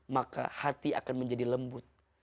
maka hati akan menjadi lembut